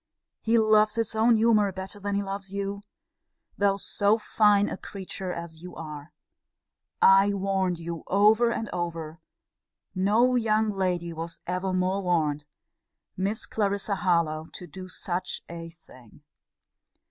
He loves his own humour better than he loves you though so fine a creature as you are! I warned you over and over: no young lady was ever more warned! Miss Clarissa Harlowe to do such a thing!